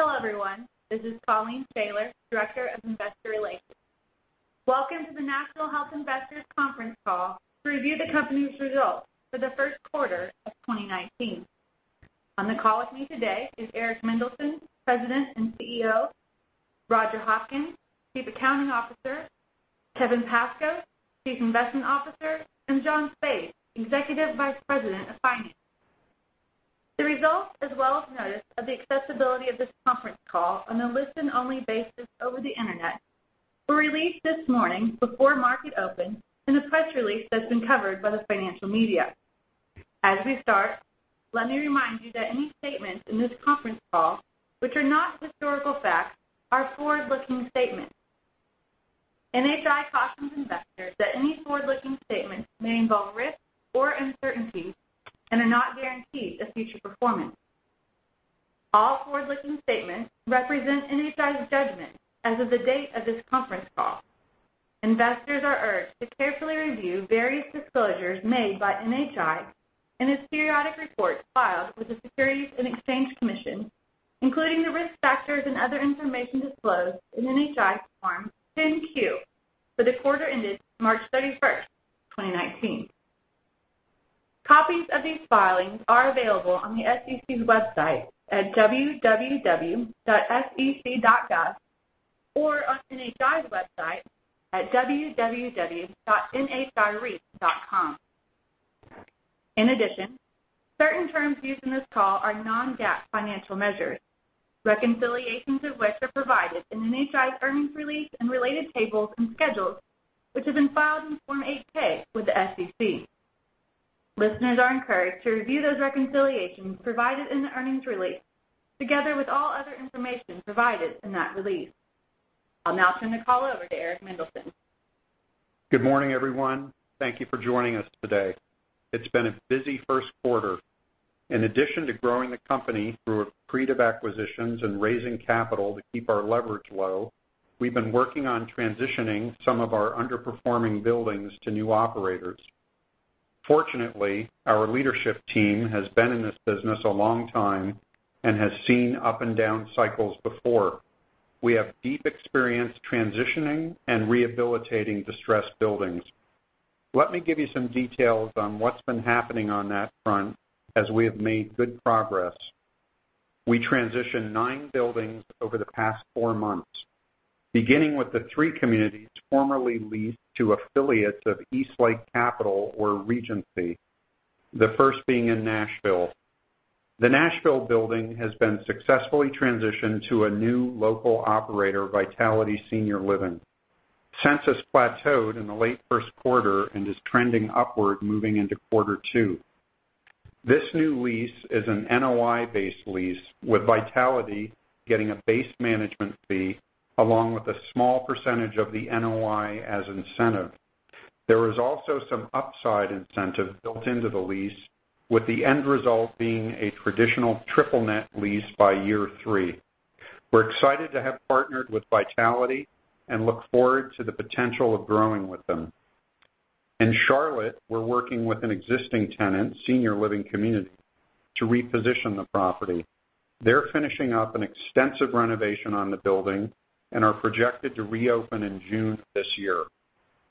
Hello, everyone. This is Colleen Schaller, Director of Investor Relations. Welcome to the National Health Investors conference call to review the company's results for the first quarter of 2019. On the call with me today is Eric Mendelsohn, President and CEO, Roger Hopkins, Chief Accounting Officer, Kevin Pascoe, Chief Investment Officer, and John Spaid, Executive Vice President of Finance. The results, as well as notice of the accessibility of this conference call on a listen-only basis over the Internet, were released this morning before market open in a press release that's been covered by the financial media. As we start, let me remind you that any statements in this conference call, which are not historical facts, are forward-looking statements. NHI cautions investors that any forward-looking statements may involve risks or uncertainties and are not guarantees of future performance. All forward-looking statements represent NHI's judgment as of the date of this conference call. Investors are urged to carefully review various disclosures made by NHI in its periodic report filed with the Securities and Exchange Commission, including the risk factors and other information disclosed in NHI's Form 10-Q for the quarter ended March 31st, 2019. Copies of these filings are available on the SEC's website at www.sec.gov or on NHI's website at www.nhireit.com. In addition, certain terms used in this call are non-GAAP financial measures, reconciliations of which are provided in NHI's earnings release and related tables and schedules, which have been filed in Form 8-K with the SEC. Listeners are encouraged to review those reconciliations provided in the earnings release, together with all other information provided in that release. I'll now turn the call over to Eric Mendelsohn. Good morning, everyone. Thank you for joining us today. It's been a busy first quarter. In addition to growing the company through accretive acquisitions and raising capital to keep our leverage low, we've been working on transitioning some of our underperforming buildings to new operators. Fortunately, our leadership team has been in this business a long time and has seen up and down cycles before. We have deep experience transitioning and rehabilitating distressed buildings. Let me give you some details on what's been happening on that front, as we have made good progress. We transitioned nine buildings over the past four months, beginning with the three communities formerly leased to affiliates of Eastlake Capital or Regency, the first being in Nashville. The Nashville building has been successfully transitioned to a new local operator, Vitality Senior Living. Census plateaued in the late first quarter and is trending upward moving into quarter two. This new lease is an NOI-based lease with Vitality getting a base management fee along with a small percentage of the NOI as incentive. There is also some upside incentive built into the lease, with the end result being a traditional triple-net lease by year three. We're excited to have partnered with Vitality and look forward to the potential of growing with them. In Charlotte, we're working with an existing tenant, Senior Living Communities, to reposition the property. They're finishing up an extensive renovation on the building and are projected to reopen in June this year.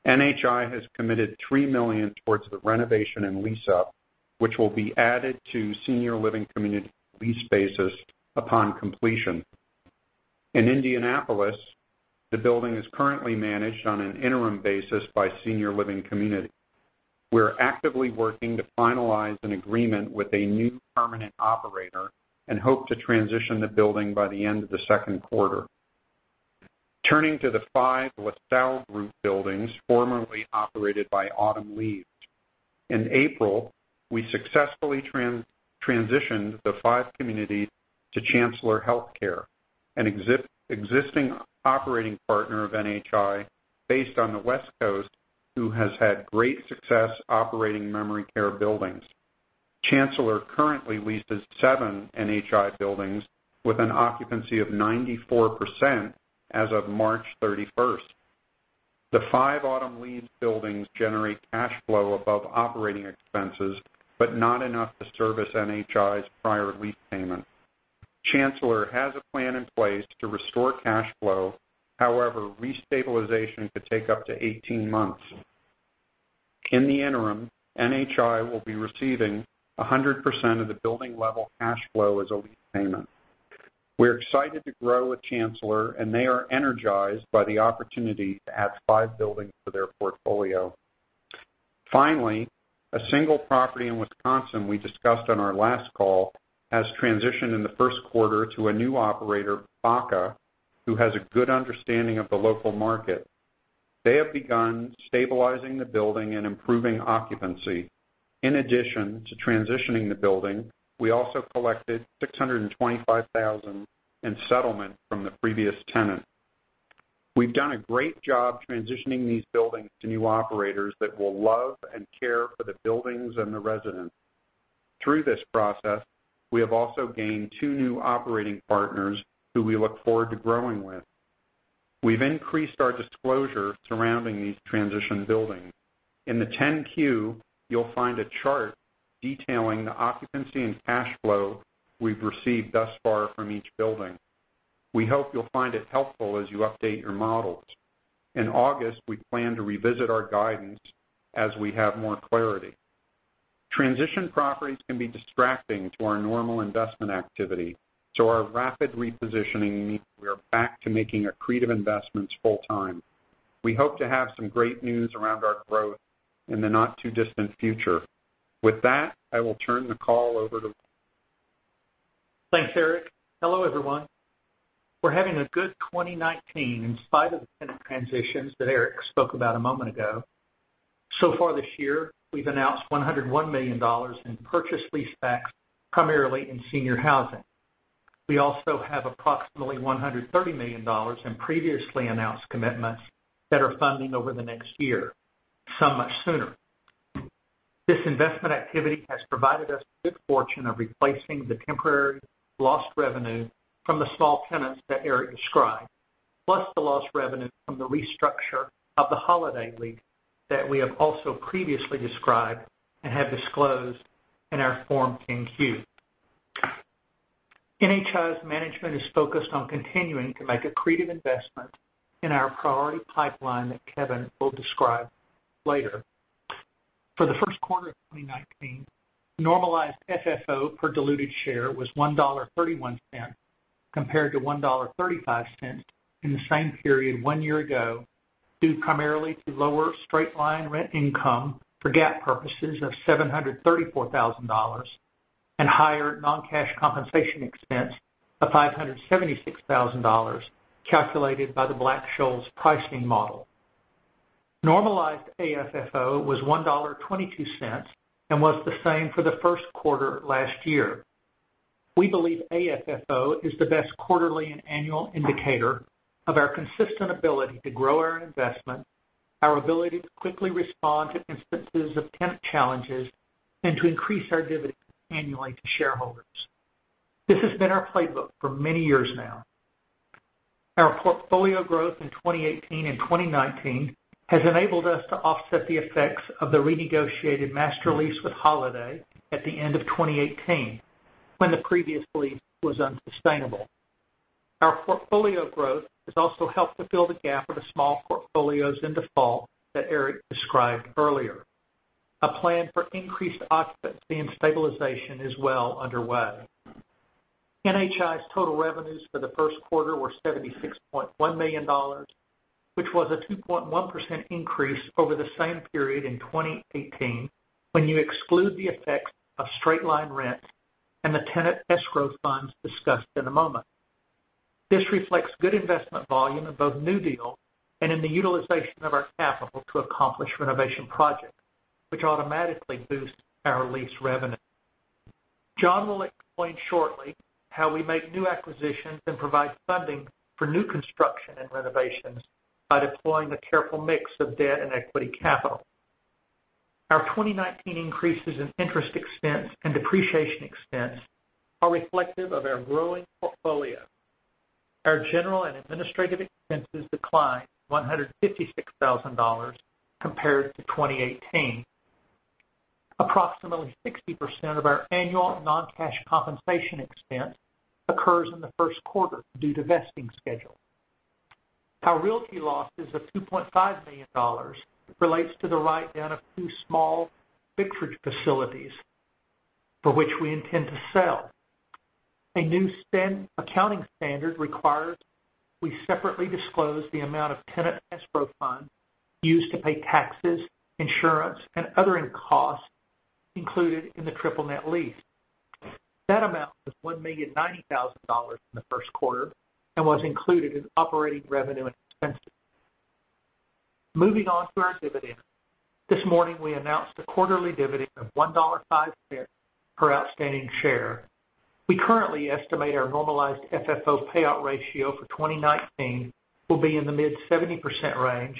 NHI has committed $3 million towards the renovation and lease-up, which will be added to Senior Living Communities lease base upon completion. In Indianapolis, the building is currently managed on an interim basis by Senior Living Communities. We're actively working to finalize an agreement with a new permanent operator and hope to transition the building by the end of the second quarter. Turning to the five The LaSalle Group buildings formerly operated by Autumn Leaves. In April, we successfully transitioned the five communities to Chancellor Health Care, an existing operating partner of NHI based on the West Coast, who has had great success operating memory care buildings. Chancellor currently leases seven NHI buildings with an occupancy of 94% as of March 31st. The five Autumn Leaves buildings generate cash flow above operating expenses, but not enough to service NHI's prior lease payment. Chancellor has a plan in place to restore cash flow. Restabilization could take up to 18 months. In the interim, NHI will be receiving 100% of the building-level cash flow as a lease payment. We're excited to grow with Chancellor, they are energized by the opportunity to add five buildings to their portfolio. A single property in Wisconsin we discussed on our last call has transitioned in the first quarter to a new operator, Baca, who has a good understanding of the local market. They have begun stabilizing the building and improving occupancy. In addition to transitioning the building, we also collected $625,000 in settlement from the previous tenant. We've done a great job transitioning these buildings to new operators that will love and care for the buildings and the residents. Through this process, we have also gained two new operating partners who we look forward to growing with. We've increased our disclosure surrounding these transition buildings. In the 10-Q, you'll find a chart detailing the occupancy and cash flow we've received thus far from each building. We hope you'll find it helpful as you update your models. In August, we plan to revisit our guidance as we have more clarity. Transition properties can be distracting to our normal investment activity, our rapid repositioning means we are back to making accretive investments full time. We hope to have some great news around our growth in the not too distant future. With that, I will turn the call over to- Thanks, Eric. Hello, everyone. We're having a good 2019 in spite of the tenant transitions that Eric spoke about a moment ago. This year, we've announced $101 million in purchase leasebacks, primarily in senior housing. We also have approximately $130 million in previously announced commitments that are funding over the next year, some much sooner. This investment activity has provided us good fortune of replacing the temporary lost revenue from the small tenants that Eric described, plus the lost revenue from the restructure of the Holiday lease that we have also previously described and have disclosed in our Form 10-Q. NHI's management is focused on continuing to make accretive investment in our priority pipeline that Kevin will describe later. For the first quarter of 2019, normalized FFO per diluted share was $1.31 compared to $1.35 in the same period one year ago, due primarily to lower straight-line rent income for GAAP purposes of $734,000 and higher non-cash compensation expense of $576,000, calculated by the Black-Scholes pricing model. Normalized AFFO was $1.22 and was the same for the first quarter last year. We believe AFFO is the best quarterly and annual indicator of our consistent ability to grow our investment, our ability to quickly respond to instances of tenant challenges, and to increase our dividend annually to shareholders. This has been our playbook for many years now. Our portfolio growth in 2018 and 2019 has enabled us to offset the effects of the renegotiated master lease with Holiday at the end of 2018, when the previous lease was unsustainable. Our portfolio growth has also helped to fill the gap of the small portfolios in default that Eric described earlier. A plan for increased occupancy and stabilization is well underway. NHI's total revenues for the first quarter were $76.1 million, which was a 2.1% increase over the same period in 2018, when you exclude the effects of straight-line rent and the tenant escrow funds discussed in a moment. This reflects good investment volume in both new deal and in the utilization of our capital to accomplish renovation projects, which automatically boost our lease revenue. John will explain shortly how we make new acquisitions and provide funding for new construction and renovations by deploying the careful mix of debt and equity capital. Our 2019 increases in interest expense and depreciation expense are reflective of our growing portfolio. Our general and administrative expenses declined $156,000 compared to 2018. Approximately 60% of our annual non-cash compensation expense occurs in the first quarter due to vesting schedule. Our realty losses of $2.5 million relates to the write-down of two small fixed Bridge facilities for which we intend to sell. A new accounting standard requires we separately disclose the amount of tenant escrow funds used to pay taxes, insurance, and other end costs included in the triple-net lease. That amount was $1,090,000 in the first quarter and was included in operating revenue and expenses. Moving on to our dividend. This morning, we announced a quarterly dividend of $1.05 per outstanding share. We currently estimate our normalized FFO payout ratio for 2019 will be in the mid 70% range,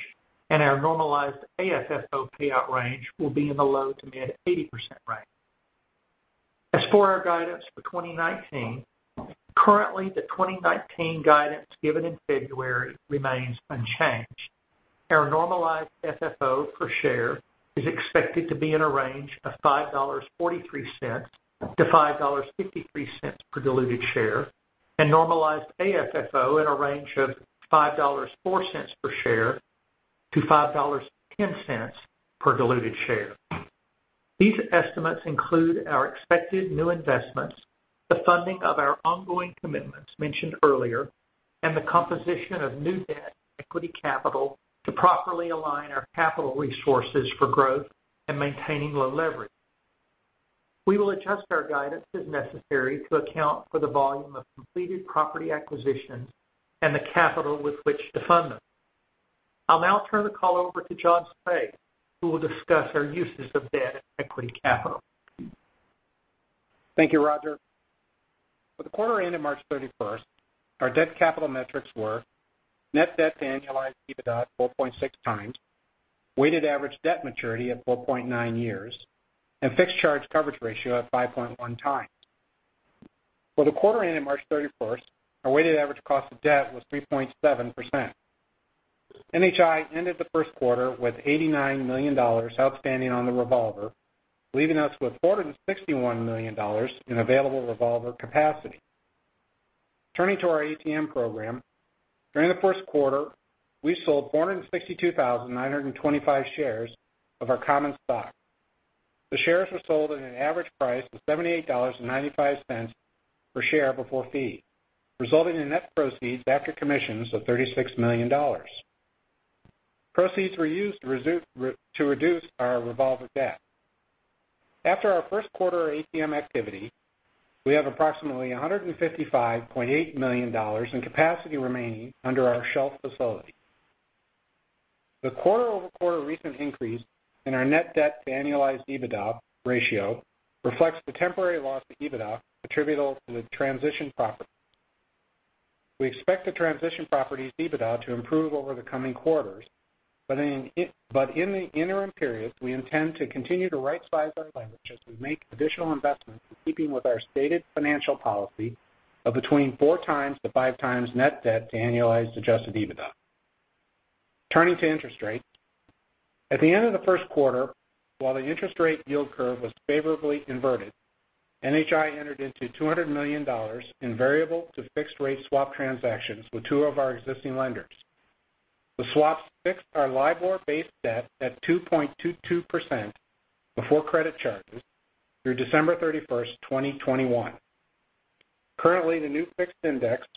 and our normalized AFFO payout range will be in the low to mid 80% range. As for our guidance for 2019, currently the 2019 guidance given in February remains unchanged. Our normalized FFO per share is expected to be in a range of $5.43-$5.53 per diluted share, and normalized AFFO in a range of $5.04 per share to $5.10 per diluted share. These estimates include our expected new investments, the funding of our ongoing commitments mentioned earlier, and the composition of new debt equity capital to properly align our capital resources for growth and maintaining low leverage. We will adjust our guidance as necessary to account for the volume of completed property acquisitions and the capital with which to fund them. I'll now turn the call over to John Spaid, who will discuss our uses of debt and equity capital. Thank you, Roger. For the quarter ending March 31st, our debt capital metrics were net debt to annualized EBITDA at 4.6 times, weighted average debt maturity at 4.9 years, and fixed charge coverage ratio at 5.1 times. For the quarter ending March 31st, our weighted average cost of debt was 3.7%. NHI ended the first quarter with $89 million outstanding on the revolver, leaving us with $461 million in available revolver capacity. Turning to our ATM program, during the first quarter, we sold 462,925 shares of our common stock. The shares were sold at an average price of $78.95 per share before fee, resulting in net proceeds after commissions of $36 million. Proceeds were used to reduce our revolver debt. After our first quarter ATM activity, we have approximately $155.8 million in capacity remaining under our shelf facility. The quarter-over-quarter recent increase in our net debt to annualized EBITDA ratio reflects the temporary loss of EBITDA attributable to the transition property. We expect the transition property's EBITDA to improve over the coming quarters, but in the interim period, we intend to continue to right size our balance as we make additional investments in keeping with our stated financial policy of between 4 times to 5 times net debt to annualized adjusted EBITDA. Turning to interest rates, at the end of the first quarter, while the interest rate yield curve was favorably inverted, NHI entered into $200 million in variable to fixed rate swap transactions with two of our existing lenders. The swaps fixed our LIBOR-based debt at 2.22% before credit charges through December 31st, 2021. Currently, the new fixed index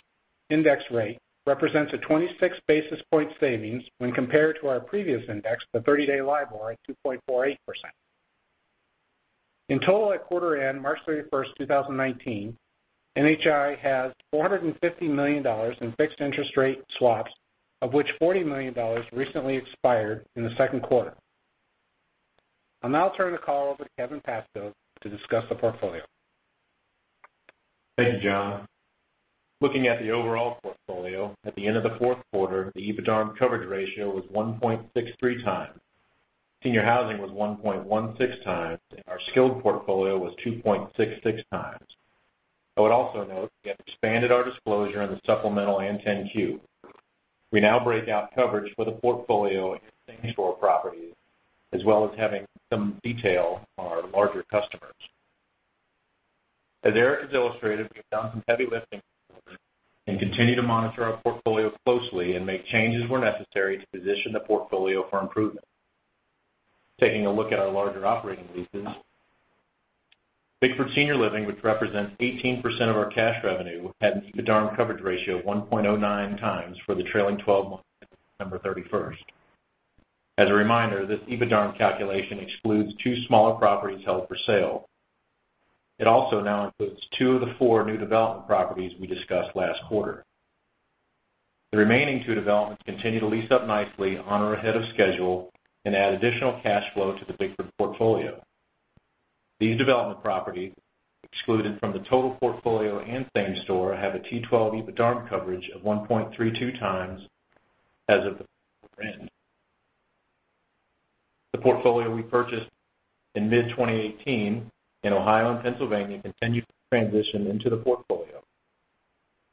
rate represents a 26 basis point savings when compared to our previous index, the 30-day LIBOR at 2.48%. In total at quarter end March 31st, 2019, NHI has $450 million in fixed interest rate swaps, of which $40 million recently expired in the second quarter. I'll now turn the call over to Kevin Pascoe to discuss the portfolio. Thank you, John. Looking at the overall portfolio at the end of the fourth quarter, the EBITDARM coverage ratio was 1.63 times. Senior housing was 1.16 times, and our skilled portfolio was 2.66 times. I would also note we have expanded our disclosure in the supplemental and 10-Q. We now break out coverage for the portfolio and same store properties, as well as having some detail on our larger customers. As Eric has illustrated, we've done some heavy lifting and continue to monitor our portfolio closely and make changes where necessary to position the portfolio for improvement. Taking a look at our larger operating leases. Bickford Senior Living, which represents 18% of our cash revenue, had an EBITDARM coverage ratio of 1.09 times for the trailing 12 months December 31st. As a reminder, this EBITDARM calculation excludes two smaller properties held for sale. It also now includes two of the four new development properties we discussed last quarter. The remaining two developments continue to lease up nicely on or ahead of schedule and add additional cash flow to the Bickford portfolio. These development properties, excluded from the total portfolio and same store, have a T12 EBITDARM coverage of 1.32 times as of the end. The portfolio we purchased in mid-2018 in Ohio and Pennsylvania continued to transition into the portfolio.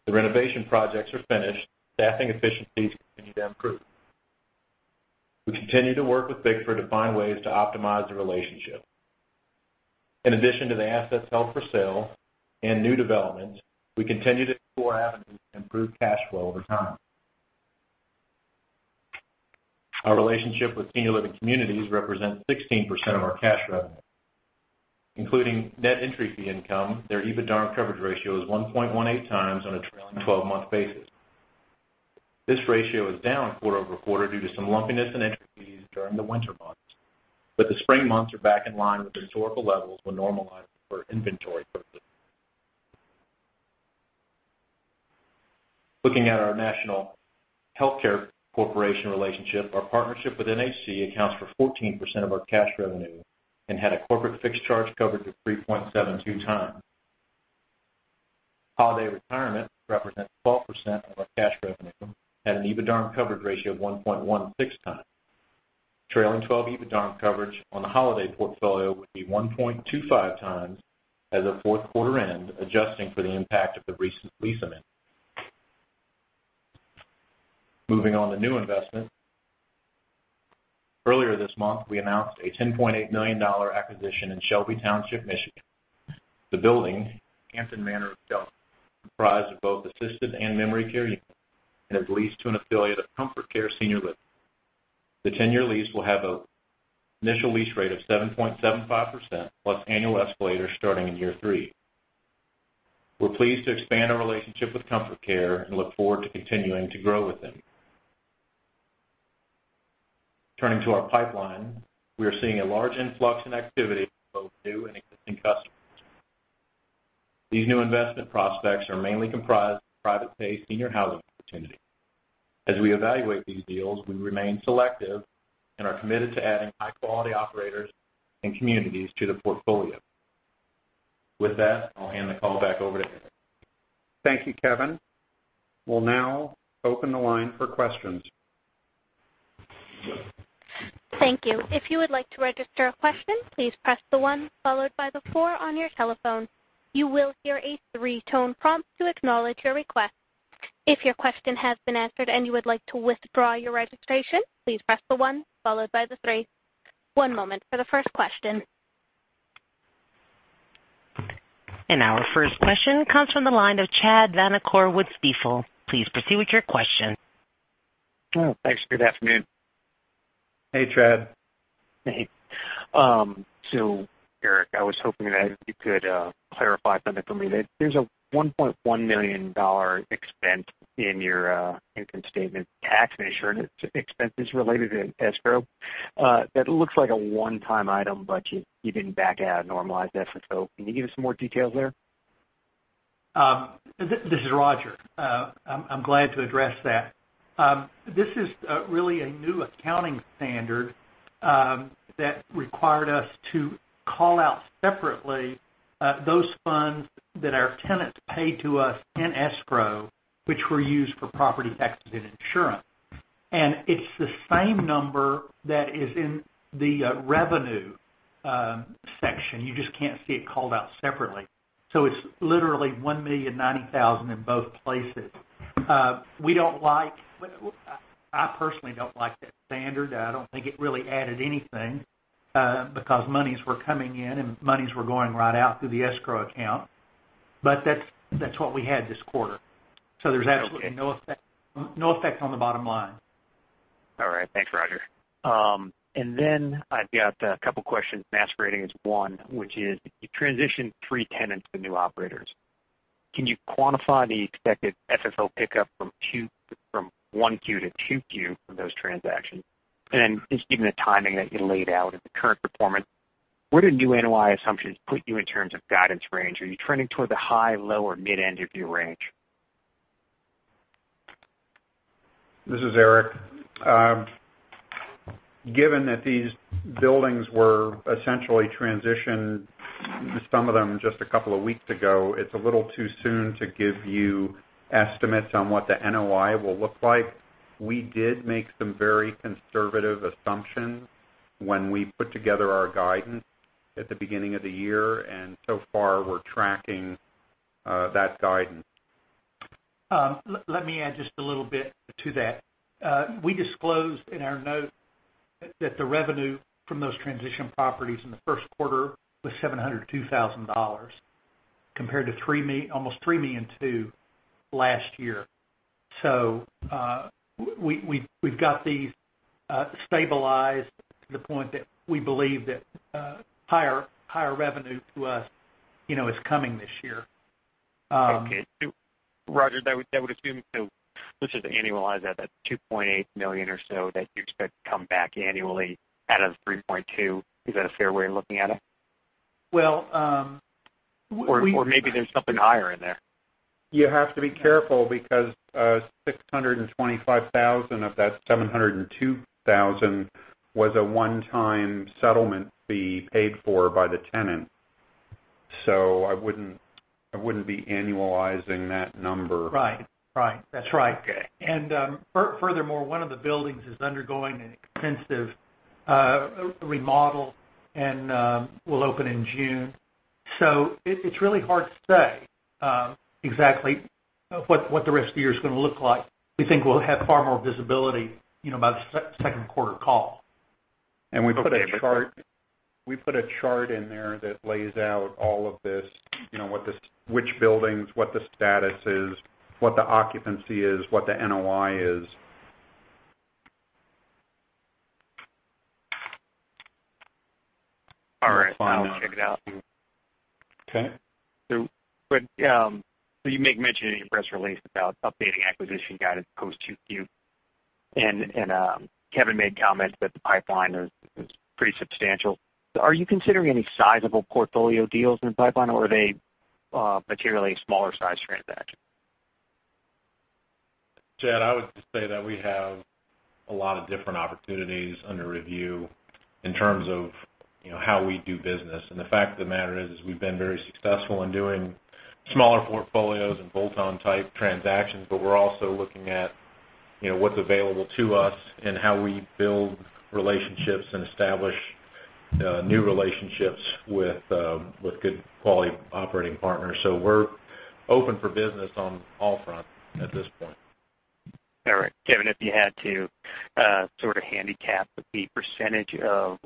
The renovation projects are finished. Staffing efficiencies continue to improve. We continue to work with Bickford to find ways to optimize the relationship. In addition to the assets held for sale and new developments, we continue to explore avenues to improve cash flow over time. Our relationship with Senior Living Communities represents 16% of our cash revenue. Including net entry fee income, their EBITDARM coverage ratio is 1.18 times on a trailing twelve-month basis. This ratio is down quarter-over-quarter due to some lumpiness in entry fees during the winter months, but the spring months are back in line with historical levels when normalized for inventory purposes. Looking at our National HealthCare Corporation relationship, our partnership with NHC accounts for 14% of our cash revenue and had a corporate fixed charge coverage of 3.72 times. Holiday Retirement represents 12% of our cash revenue at an EBITDARM coverage ratio of 1.16 times. Trailing-twelve EBITDARM coverage on the Holiday portfolio would be 1.25 times as of fourth quarter end, adjusting for the impact of the recent lease amendment. Moving on to new investment. Earlier this month, we announced a $10.8 million acquisition in Shelby Township, Michigan. The building, Hampton Manor of Shelby, comprised of both assisted and memory care units and is leased to an affiliate of Comfort Care Senior Living. The ten-year lease will have an initial lease rate of 7.75% plus annual escalators starting in year three. We're pleased to expand our relationship with Comfort Care and look forward to continuing to grow with them. Turning to our pipeline, we are seeing a large influx in activity from both new and existing customers. These new investment prospects are mainly comprised of private pay senior housing opportunities. As we evaluate these deals, we remain selective and are committed to adding high-quality operators and communities to the portfolio. With that, I'll hand the call back over to Eric. Thank you, Kevin. We'll now open the line for questions. Thank you. If you would like to register a question, please press the one followed by the four on your telephone. You will hear a three-tone prompt to acknowledge your request. If your question has been answered and you would like to withdraw your registration, please press the one followed by the three. One moment for the first question. Our first question comes from the line of Chad Vanacore with Stifel. Please proceed with your question. Oh, thanks. Good afternoon. Hey, Chad. Hey. Eric, I was hoping that you could clarify something for me. There's a $1.1 million expense in your income statement, tax and insurance expenses related to escrow. That looks like a one-time item, but you didn't back out a normalized FFO. Can you give us some more details there? This is Roger. I'm glad to address that. This is really a new accounting standard that required us to call out separately those funds that our tenants pay to us in escrow, which were used for property taxes and insurance. It's the same number that is in the revenue section. You just can't see it called out separately. It's literally $1,090,000 in both places. I personally don't like that standard. I don't think it really added anything, because monies were coming in and monies were going right out through the escrow account. That's what we had this quarter. There's absolutely no effect on the bottom line. All right. Thanks, Roger. I've got a couple questions masquerading as one, which is you transitioned three tenants to new operators. Can you quantify the expected FFO pickup from 1Q to 2Q from those transactions? Just given the timing that you laid out of the current performance, where do new NOI assumptions put you in terms of guidance range? Are you trending toward the high, low, or mid end of your range? This is Eric. Given that these buildings were essentially transitioned, some of them just a couple of weeks ago, it's a little too soon to give you estimates on what the NOI will look like. We did make some very conservative assumptions when we put together our guidance at the beginning of the year, so far we're tracking that guidance. Let me add just a little bit to that. We disclosed in our note that the revenue from those transition properties in the first quarter was $702,000, compared to almost $3.2 million last year. We've got these stabilized to the point that we believe that higher revenue to us is coming this year. Okay. Roger, that would assume, let's just annualize that $2.8 million or so that you expect to come back annually out of $3.2 million. Is that a fair way of looking at it? Well- Maybe there's something higher in there. You have to be careful because $625,000 of that $702,000 was a one-time settlement fee paid for by the tenant. I wouldn't be annualizing that number. Right. That's right. Okay. Furthermore, one of the buildings is undergoing an extensive remodel and will open in June. It's really hard to say exactly what the rest of the year is going to look like. We think we'll have far more visibility by the second quarter call. We put a chart in there that lays out all of this, which buildings, what the status is, what the occupancy is, what the NOI is. All right. I'll check it out. Okay. You make mention in your press release about updating acquisition guidance post 2Q, Kevin made comments that the pipeline is pretty substantial. Are you considering any sizable portfolio deals in the pipeline, or are they materially smaller-sized transactions? Chad, I would just say that we have a lot of different opportunities under review in terms of how we do business. The fact of the matter is, we've been very successful in doing smaller portfolios and bolt-on-type transactions, but we're also looking at what's available to us and how we build relationships and establish new relationships with good quality operating partners. We're open for business on all fronts at this point. All right. Kevin, if you had to sort of handicap the percentage of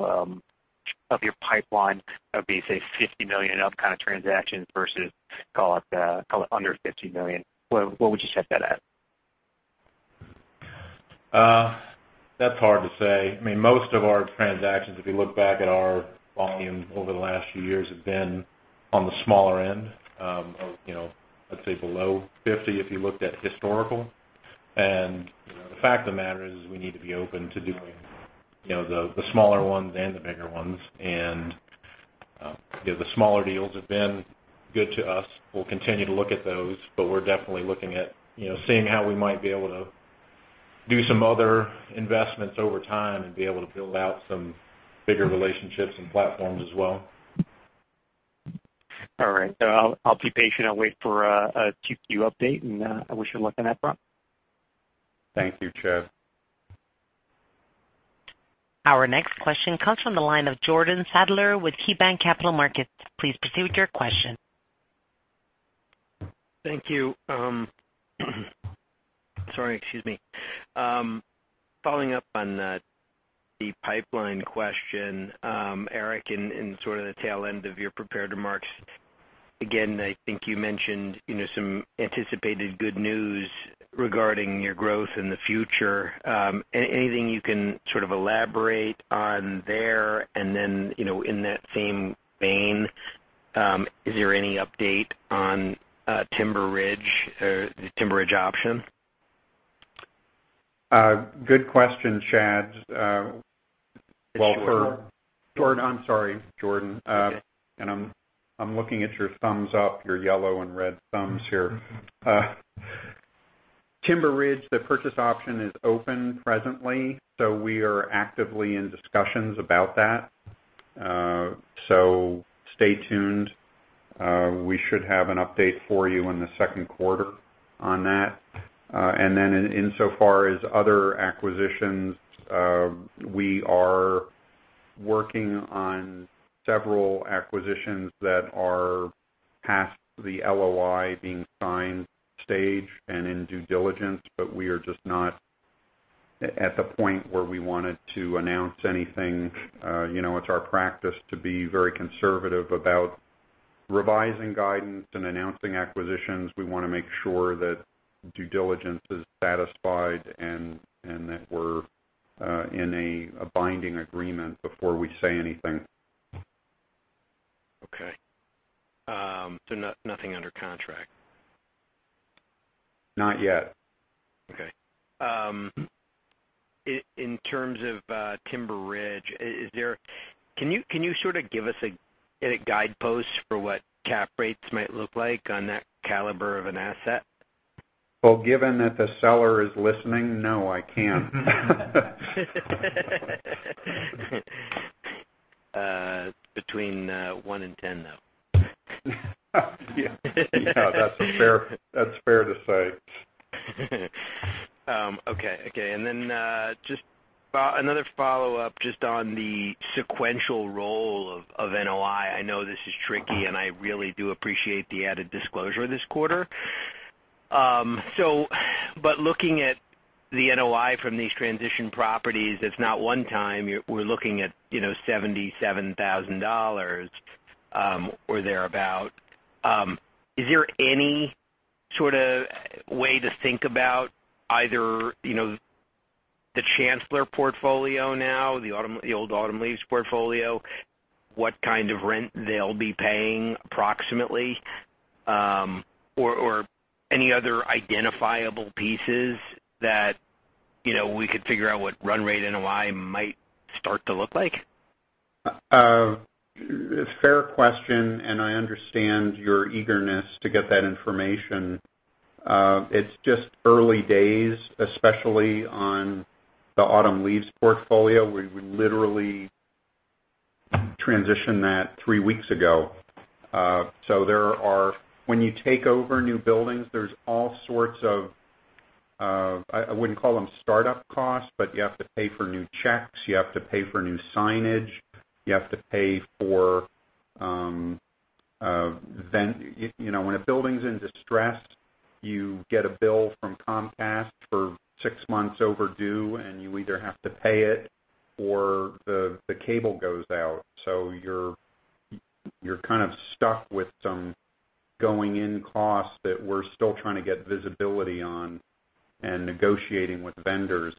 your pipeline of the, say, $50 million and up kind of transactions versus, call it under $50 million, where would you set that at? That's hard to say. Most of our transactions, if you look back at our volume over the last few years, have been on the smaller end of, let's say below $50 million, if you looked at historical. The fact of the matter is we need to be open to doing the smaller ones and the bigger ones. The smaller deals have been good to us. We'll continue to look at those, but we're definitely looking at seeing how we might be able to do some other investments over time and be able to build out some bigger relationships and platforms as well. All right. I'll be patient. I'll wait for a 2Q update, I wish you luck on that front. Thank you, Chad. Our next question comes from the line of Jordan Sadler with KeyBanc Capital Markets. Please proceed with your question. Thank you. Sorry, excuse me. Following up on the pipeline question, Eric, in sort of the tail end of your prepared remarks, again, I think you mentioned some anticipated good news regarding your growth in the future. Anything you can sort of elaborate on there? In that same vein, is there any update on Timber Ridge, the Timber Ridge option? Good question, Chad. It's Jordan. Jordan. I'm sorry, Jordan. It's okay. I'm looking at your thumbs up, your yellow and red thumbs here. Timber Ridge, the purchase option is open presently, we are actively in discussions about that. Stay tuned. We should have an update for you in the second quarter on that. Insofar as other acquisitions, we are working on several acquisitions that are past the LOI being signed stage and in due diligence, we are just not at the point where we wanted to announce anything. It's our practice to be very conservative about revising guidance and announcing acquisitions. We want to make sure that due diligence is satisfied and that we're in a binding agreement before we say anything. Okay. Nothing under contract? Not yet. Okay. In terms of Timber Ridge, can you sort of give us a guidepost for what cap rates might look like on that caliber of an asset? Well, given that the seller is listening, no, I can't. Between one and 10, though. Yeah. That's fair to say. Okay. Then, just another follow-up just on the sequential role of NOI. I know this is tricky, and I really do appreciate the added disclosure this quarter. Looking at the NOI from these transition properties, if not one time, we're looking at $77,000, or thereabout. Is there any sort of way to think about either, the Chancellor portfolio now, the old Autumn Leaves portfolio, what kind of rent they'll be paying approximately? Or any other identifiable pieces that we could figure out what run rate NOI might start to look like? Fair question. I understand your eagerness to get that information. It's just early days, especially on the Autumn Leaves portfolio. We literally transitioned that 3 weeks ago. When you take over new buildings, there's all sorts of, I wouldn't call them startup costs, but you have to pay for new checks, you have to pay for new signage, you have to pay for When a building's in distress, you get a bill from Comcast for 6 months overdue, and you either have to pay it or the cable goes out. You're kind of stuck with some going-in costs that we're still trying to get visibility on and negotiating with vendors.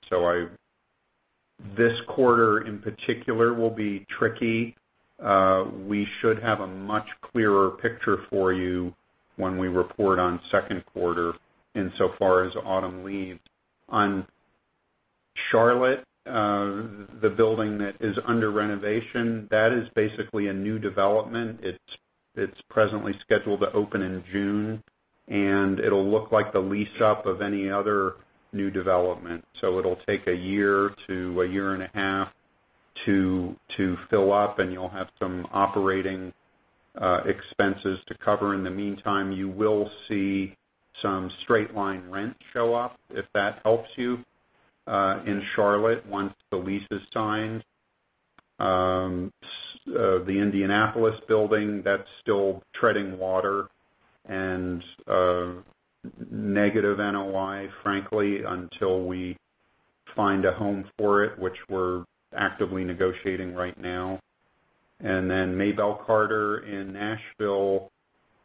This quarter, in particular, will be tricky. We should have a much clearer picture for you when we report on second quarter insofar as Autumn Leaves. On Charlotte, the building that is under renovation, that is basically a new development. It's presently scheduled to open in June. It'll look like the lease-up of any other new development. It'll take 1 year to 1.5 years to fill up. You'll have some operating expenses to cover. In the meantime, you will see some straight-line rent show up, if that helps you, in Charlotte, once the lease is signed. The Indianapolis building, that's still treading water and negative NOI, frankly, until we find a home for it, which we're actively negotiating right now. Maybelle Carter in Nashville,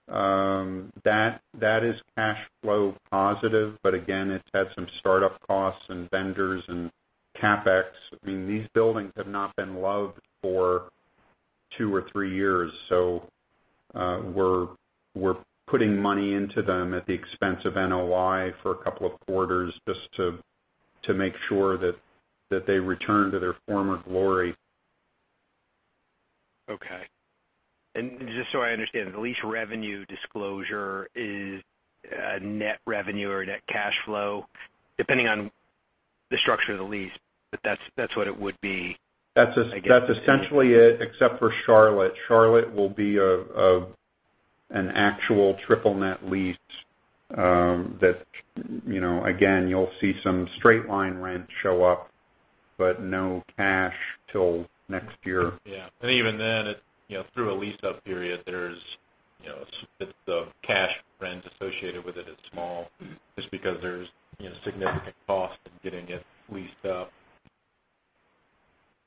that is cash flow positive, but again, it's had some startup costs and vendors and CapEx. These buildings have not been loved for 2 or 3 years. We're putting money into them at the expense of NOI for a couple of quarters just to make sure that they return to their former glory. Okay. Just so I understand, the lease revenue disclosure is net revenue or net cash flow, depending on the structure of the lease, but that's what it would be. That's essentially it, except for Charlotte. Charlotte will be an actual triple-net lease. Again, you'll see some straight-line rent show up, but no cash till next year. Yeah. Even then, through a lease-up period, the cash rent associated with it is small just because there's significant cost in getting it leased up.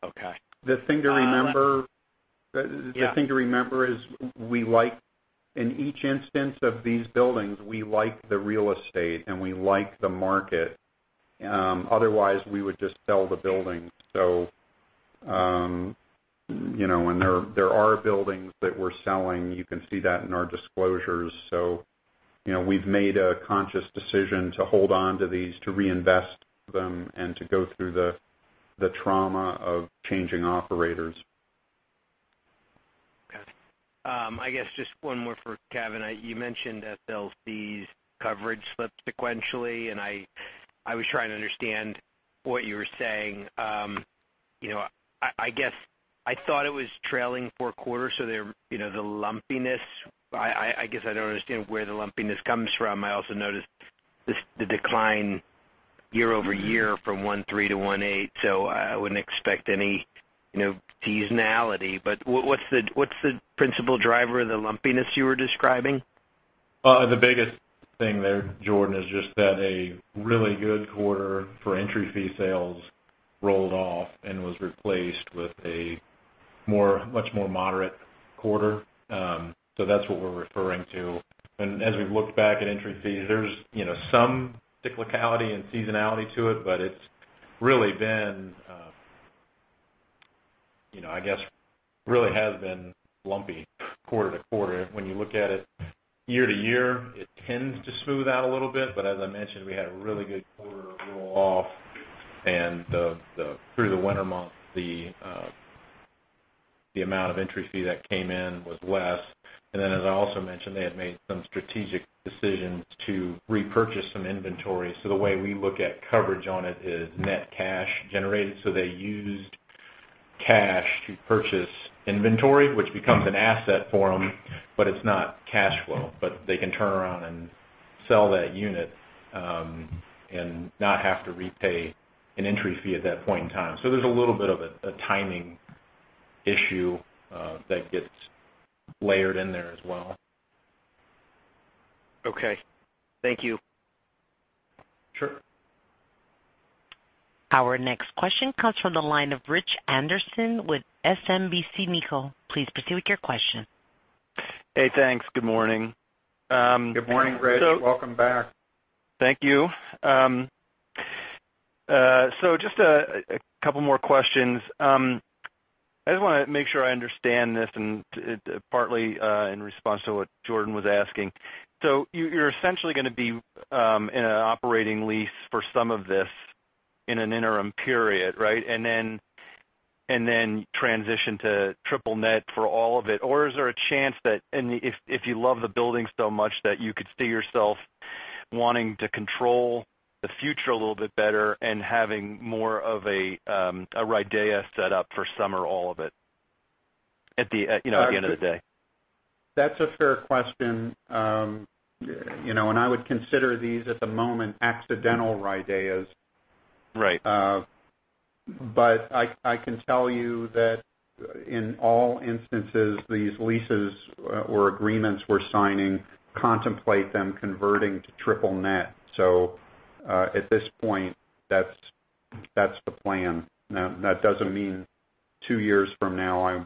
Okay. The thing to remember. Yeah The thing to remember is, in each instance of these buildings, we like the real estate, and we like the market. Otherwise, we would just sell the building. There are buildings that we're selling. You can see that in our disclosures. We've made a conscious decision to hold on to these, to reinvest them, and to go through the trauma of changing operators. Okay. I guess just one more for Kevin Pascoe. You mentioned SLC's coverage slipped sequentially. I was trying to understand what you were saying. I guess I thought it was trailing four quarters. The lumpiness, I guess I don't understand where the lumpiness comes from. I also noticed the decline year-over-year from 1.3 to 1.8. I wouldn't expect any seasonality. What's the principal driver of the lumpiness you were describing? The biggest thing there, Jordan Sadler, is just that a really good quarter for entry fee sales rolled off and was replaced with a much more moderate quarter. That's what we're referring to. As we've looked back at entry fees, there's some cyclicality and seasonality to it. It's really been lumpy quarter to quarter. When you look at it year-to-year, it tends to smooth out a little bit. As I mentioned, we had a really good quarter roll off. Through the winter months, the amount of entry fee that came in was less. As I also mentioned, they had made some strategic decisions to repurchase some inventory. The way we look at coverage on it is net cash generated. They used cash to purchase inventory, which becomes an asset for them. It's not cash flow. They can turn around and sell that unit, not have to repay an entry fee at that point in time. There's a little bit of a timing issue that gets layered in there as well. Okay. Thank you. Sure. Our next question comes from the line of Rich Anderson with SMBC Nikko. Please proceed with your question. Hey, thanks. Good morning. Good morning, Rich. Welcome back. Thank you. Just a couple more questions. I just want to make sure I understand this, and partly in response to what Jordan was asking. You're essentially going to be in an operating lease for some of this in an interim period, right? Then transition to triple-net for all of it. Is there a chance that if you love the building so much, that you could see yourself wanting to control the future a little bit better and having more of a RIDEA set up for some or all of it at the end of the day? That's a fair question. I would consider these, at the moment, accidental RIDEAs. Right. I can tell you that in all instances, these leases or agreements we're signing contemplate them converting to triple-net. At this point, that's the plan. That doesn't mean two years from now I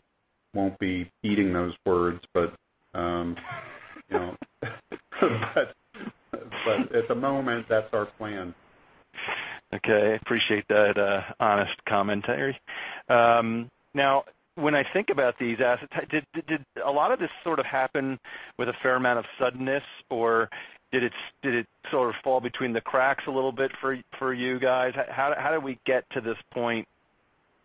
won't be eating those words, at the moment, that's our plan. Okay. Appreciate that honest commentary. When I think about these assets, did a lot of this sort of happen with a fair amount of suddenness, or did it sort of fall between the cracks a little bit for you guys? How did we get to this point?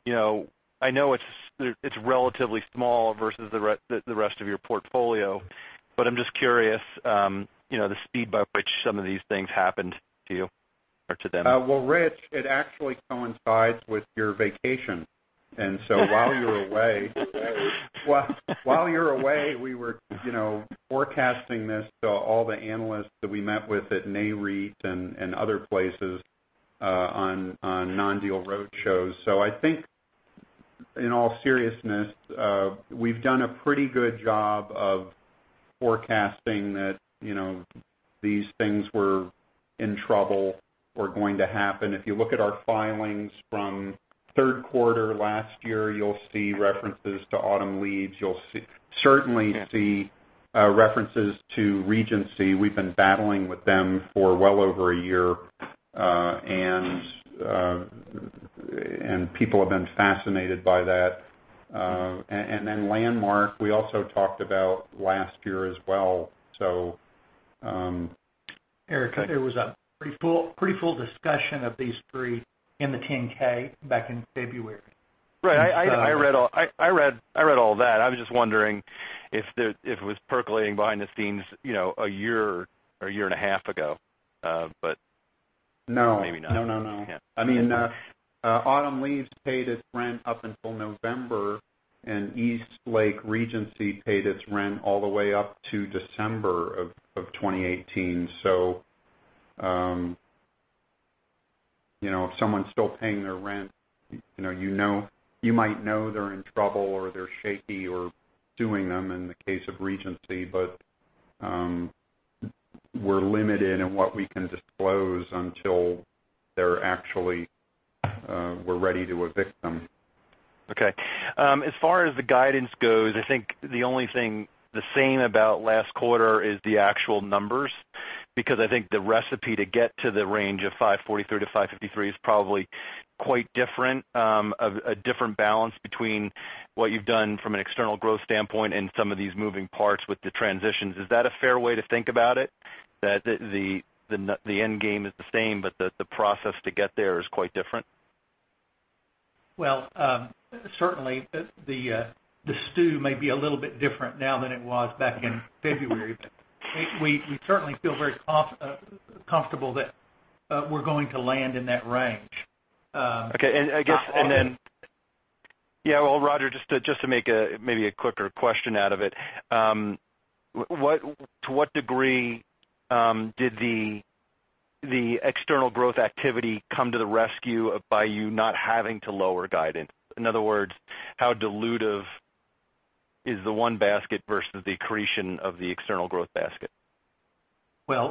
I know it's relatively small versus the rest of your portfolio, but I'm just curious, the speed by which some of these things happened to you or to them. Well, Rich, it actually coincides with your vacation, while you were away, we were forecasting this to all the analysts that we met with at Nareit and other places on non-deal roadshows. I think, in all seriousness, we've done a pretty good job of forecasting that these things were in trouble or going to happen. If you look at our filings from third quarter last year, you'll see references to Autumn Leaves. You'll certainly see references to Regency. We've been battling with them for well over a year, and people have been fascinated by that. Landmark, we also talked about last year as well. Eric, there was a pretty full discussion of these three in the 10-K back in February Right. I read all that. I was just wondering if it was percolating behind the scenes a year or a year and a half ago. Maybe not. No. Autumn Leaves paid its rent up until November, and Eastlake Regency paid its rent all the way up to December of 2018. If someone's still paying their rent, you might know they're in trouble or they're shaky or doing them in the case of Regency. We're limited in what we can disclose until we're ready to evict them. Okay. As far as the guidance goes, I think the only thing the same about last quarter is the actual numbers, because I think the recipe to get to the range of $543-$553 is probably quite different, a different balance between what you've done from an external growth standpoint and some of these moving parts with the transitions. Is that a fair way to think about it? That the end game is the same, but the process to get there is quite different? Well, certainly, the stew may be a little bit different now than it was back in February, but we certainly feel very comfortable that we're going to land in that range. Okay. then- Yeah, well, Roger, just to make maybe a quicker question out of it. To what degree did the external growth activity come to the rescue by you not having to lower guidance? In other words, how dilutive is the one basket versus the accretion of the external growth basket? Well,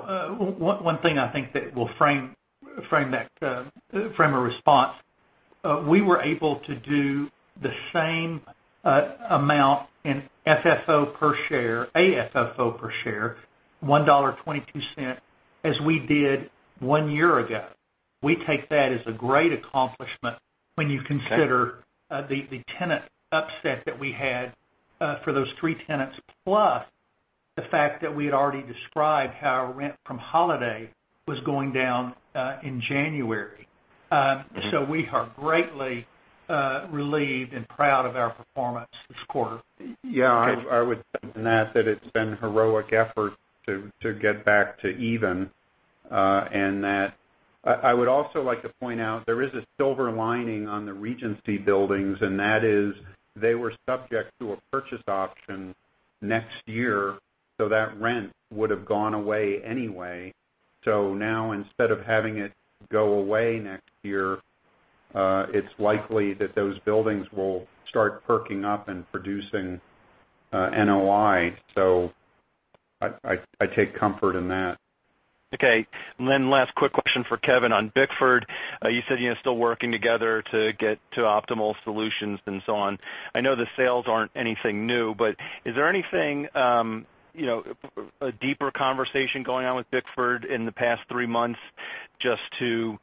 one thing I think that will frame a response. We were able to do the same amount in FFO per share, AFFO per share, $1.22, as we did one year ago. We take that as a great accomplishment when you consider the tenant upset that we had for those three tenants, plus the fact that we had already described how our rent from Holiday was going down in January. We are greatly relieved and proud of our performance this quarter. Yeah. I would add to that it's been heroic effort to get back to even, and that I would also like to point out there is a silver lining on the Regency buildings, and that is they were subject to a purchase option next year, that rent would've gone away anyway. Now, instead of having it go away next year, it's likely that those buildings will start perking up and producing NOI. I take comfort in that. Okay. Last quick question for Kevin on Bickford. You said you're still working together to get to optimal solutions and so on. I know the sales aren't anything new, but is there anything, a deeper conversation going on with Bickford in the past three months just to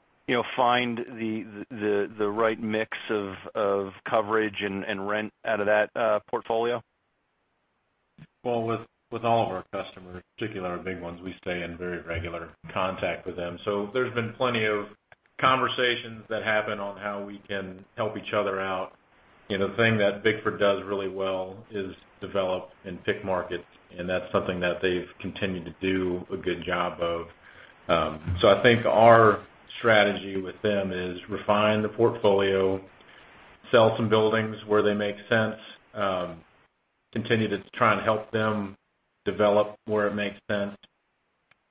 find the right mix of coverage and rent out of that portfolio? Well, with all of our customers, particularly our big ones, we stay in very regular contact with them. There's been plenty of conversations that happen on how we can help each other out. The thing that Bickford does really well is develop and pick markets, and that's something that they've continued to do a good job of. I think our strategy with them is refine the portfolio, sell some buildings where they make sense, continue to try and help them develop where it makes sense,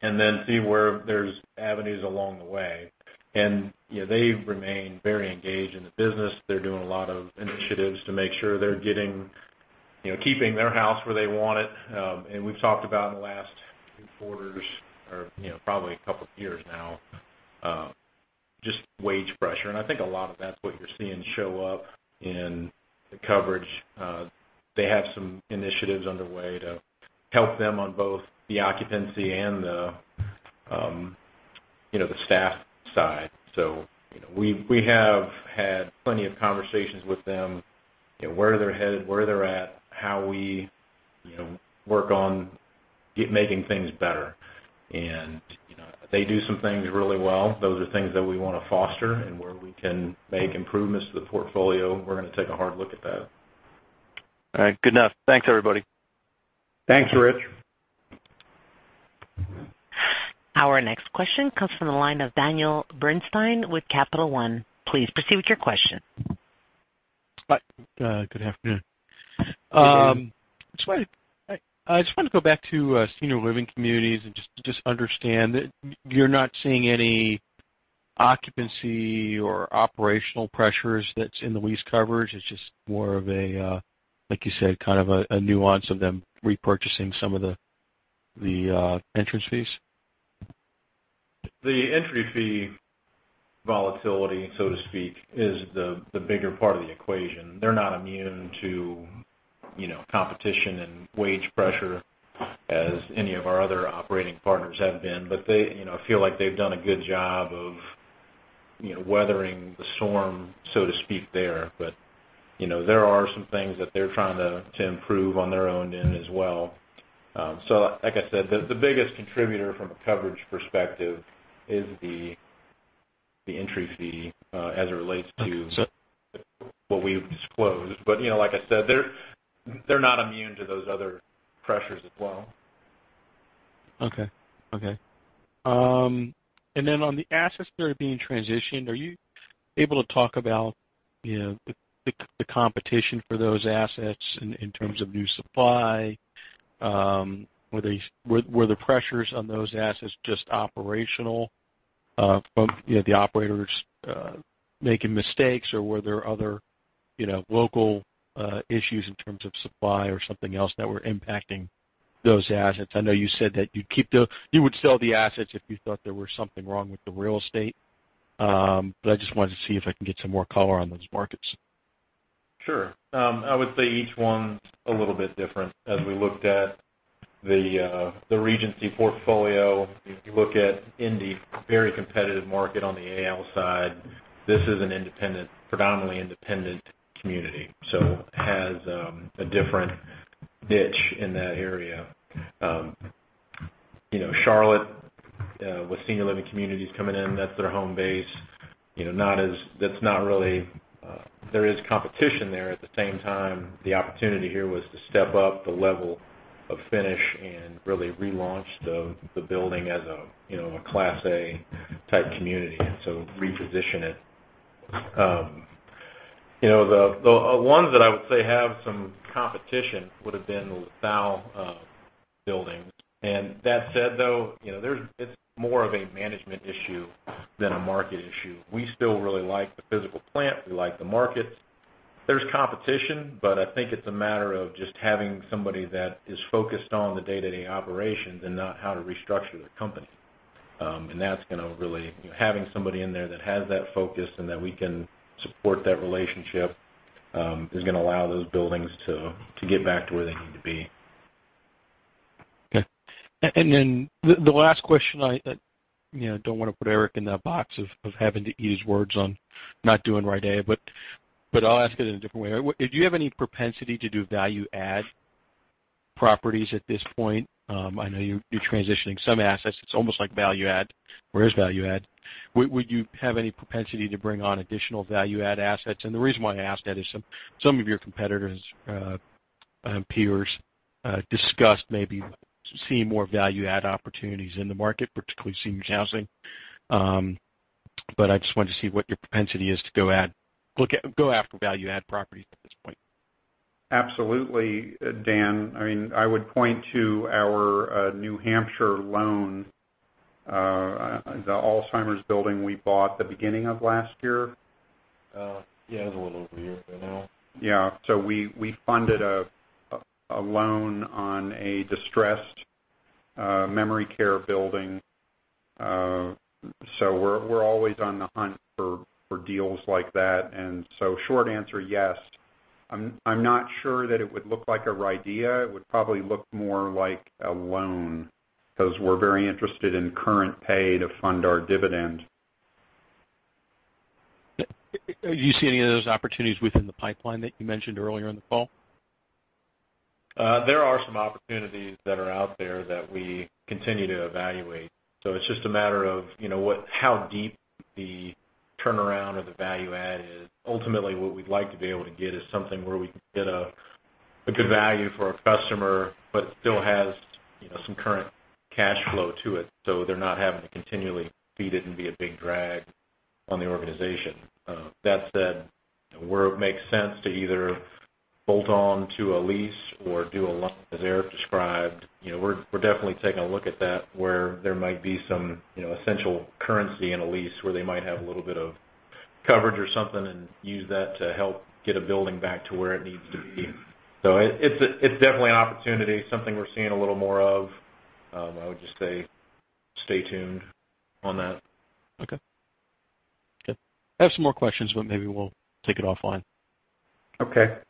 and then see where there's avenues along the way. They've remained very engaged in the business. They're doing a lot of initiatives to make sure they're keeping their house where they want it. We've talked about in the last 2 quarters or probably a couple of years now, just wage pressure. I think a lot of that's what you're seeing show up in the coverage. They have some initiatives underway to help them on both the occupancy and the staff side. We have had plenty of conversations with them, where they're headed, where they're at, how we work on making things better. They do some things really well. Those are things that we want to foster, and where we can make improvements to the portfolio, we're going to take a hard look at that. All right. Good enough. Thanks, everybody. Thanks, Rich. Our next question comes from the line of Daniel Bernstein with Capital One. Please proceed with your question. Good afternoon. Good afternoon. I just want to go back to Senior Living Communities and just understand that you're not seeing any occupancy or operational pressures that's in the lease coverage. It's just more of a, like you said, kind of a nuance of them repurchasing some of the entrance fees? The entry fee volatility, so to speak, is the bigger part of the equation. They're not immune to competition and wage pressure as any of our other operating partners have been. I feel like they've done a good job of weathering the storm, so to speak there. There are some things that they're trying to improve on their own end as well. Like I said, the biggest contributor from a coverage perspective is the entry fee as it relates to what we've disclosed. Like I said, they're not immune to those other pressures as well. Okay. On the assets that are being transitioned, are you able to talk about the competition for those assets in terms of new supply? Were the pressures on those assets just operational from the operators making mistakes, or were there other local issues in terms of supply or something else that were impacting those assets? I know you said that you would sell the assets if you thought there was something wrong with the real estate. I just wanted to see if I can get some more color on those markets. Sure. I would say each one's a little bit different. We looked at the Regency portfolio, if you look at Indy, very competitive market on the AL side. This is an predominantly independent community, so it has a different niche in that area. Charlotte, with Senior Living Communities coming in, that's their home base. There is competition there. At the same time, the opportunity here was to step up the level of finish and really relaunch the building as a Class A type community, reposition it. The ones that I would say have some competition would've been the LaSalle buildings. That said, though, it's more of a management issue than a market issue. We still really like the physical plant. We like the markets. There's competition, I think it's a matter of just having somebody that is focused on the day-to-day operations and not how to restructure the company. Having somebody in there that has that focus and that we can support that relationship, is gonna allow those buildings to get back to where they need to be. Then the last question, I don't want to put Eric in that box of having to use words on not doing right, Dave, but I'll ask it in a different way. Do you have any propensity to do value-add properties at this point? I know you're transitioning some assets. It's almost like value-add or is value-add. Would you have any propensity to bring on additional value-add assets? The reason why I ask that is some of your competitors, peers, discussed maybe seeing more value-add opportunities in the market, particularly seniors housing. I just wanted to see what your propensity is to go after value-add properties at this point. Absolutely, Dan. I would point to our New Hampshire loan, the Alzheimer's building we bought the beginning of last year. Yeah, it was a little over a year ago now. Yeah. We funded a loan on a distressed memory care building. We're always on the hunt for deals like that. Short answer, yes. I'm not sure that it would look like a RIDEA. It would probably look more like a loan, because we're very interested in current pay to fund our dividend. Do you see any of those opportunities within the pipeline that you mentioned earlier in the call? There are some opportunities that are out there that we continue to evaluate. It's just a matter of how deep the turnaround or the value add is. Ultimately, what we'd like to be able to get is something where we can get a good value for our customer, but still has some current cash flow to it, so they're not having to continually feed it and be a big drag on the organization. That said, where it makes sense to either bolt on to a lease or do a loan, as Eric described, we're definitely taking a look at that, where there might be some essential currency in a lease where they might have a little bit of coverage or something and use that to help get a building back to where it needs to be. It's definitely an opportunity, something we're seeing a little more of. I would just say stay tuned on that. Okay. Good. I have some more questions. Maybe we'll take it offline. Okay. All right. Thanks.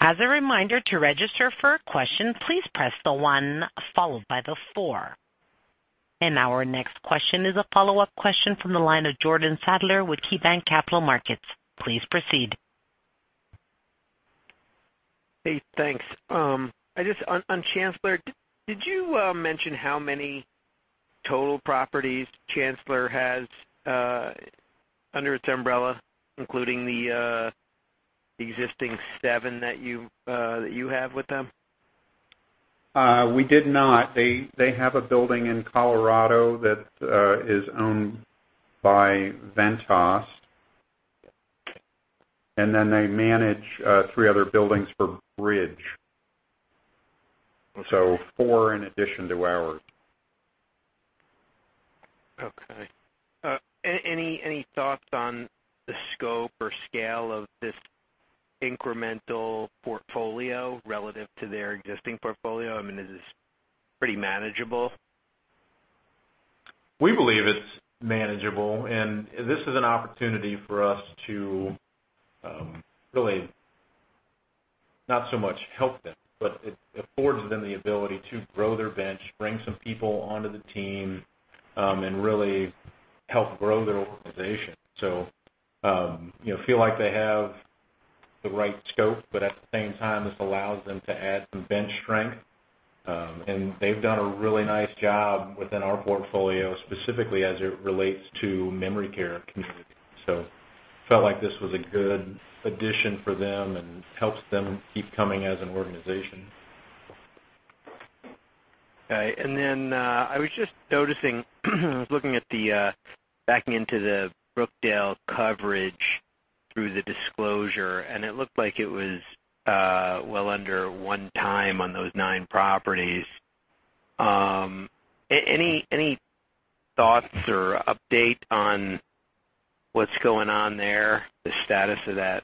As a reminder, to register for questions, please press the one followed by the four. Our next question is a follow-up question from the line of Jordan Sadler with KeyBanc Capital Markets. Please proceed. Hey, thanks. Just on Chancellor, did you mention how many total properties Chancellor has under its umbrella, including the existing seven that you have with them? We did not. They have a building in Colorado that is owned by Ventas, then they manage three other buildings for Bridge. Four in addition to ours. Okay. Any thoughts on the scope or scale of this incremental portfolio relative to their existing portfolio? Is this pretty manageable? We believe it's manageable, this is an opportunity for us to really not so much help them, but it affords them the ability to grow their bench, bring some people onto the team, and really help grow their organization. Feel like they have the right scope, but at the same time, this allows them to add some bench strength. They've done a really nice job within our portfolio, specifically as it relates to memory care communities. Felt like this was a good addition for them and helps them keep coming as an organization. Okay. I was just noticing, I was looking at backing into the Brookdale coverage through the disclosure, and it looked like it was well under one time on those nine properties. Any thoughts or update on what's going on there, the status of that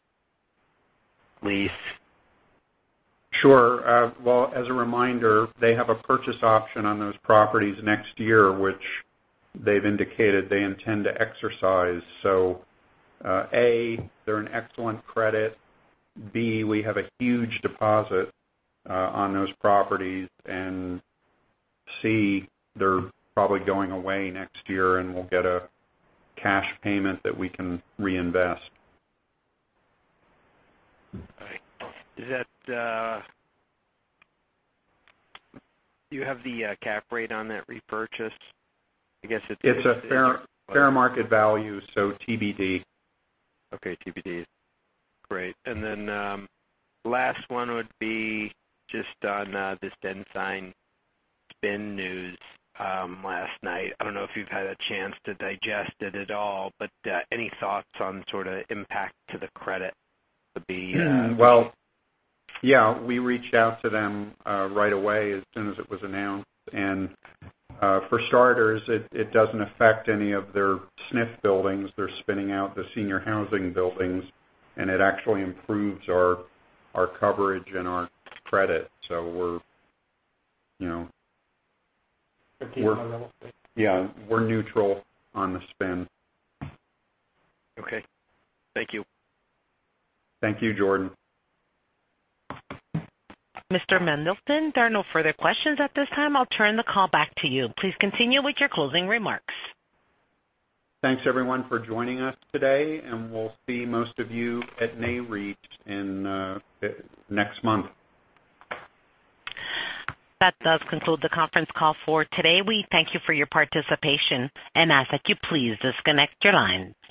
lease? Sure. Well, as a reminder, they have a purchase option on those properties next year, which they've indicated they intend to exercise. A, they're an excellent credit. B, we have a huge deposit on those properties. C, they're probably going away next year, and we'll get a cash payment that we can reinvest. All right. Do you have the cap rate on that repurchase? I guess it's- It's a fair market value. TBD. Okay, TBD. Great. Last one would be just on this Sabra spin news last night. I don't know if you've had a chance to digest it at all, but any thoughts on sort of impact to the credit would be- Well, yeah, we reached out to them right away as soon as it was announced. For starters, it doesn't affect any of their SNF buildings. They're spinning out the senior housing buildings, and it actually improves our coverage and our credit. We're- Continuing on level, then. Yeah. We're neutral on the spin. Okay. Thank you. Thank you, Jordan. Mr. Mendelsohn, there are no further questions at this time. I'll turn the call back to you. Please continue with your closing remarks. Thanks everyone for joining us today. We'll see most of you at Nareit next month. That does conclude the conference call for today. We thank you for your participation and ask that you please disconnect your line.